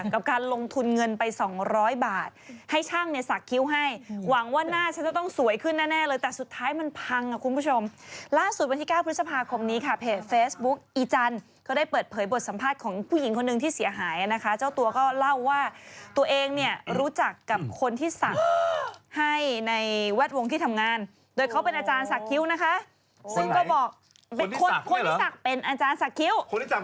กับการลงทุนเงินไป๒๐๐บาทให้ช่างสัดคิ้วให้หวังว่าหน้าจะต้องสวยขึ้นแน่เลยแต่สุดท้ายมันพังคุณผู้ชมล่าสุดวันที่๙พฤษภาคมนี้ค่ะเพจเฟสบุ๊คอีจันทร์ก็ได้เปิดเผยบทสัมภาษณ์ของผู้หญิงคนหนึ่งที่เสียหายนะคะเจ้าตัวก็เล่าว่าตัวเองเนี่ยรู้จักกับคนที่สัดให้ในวัดว